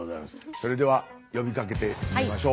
それでは呼びかけてみましょう。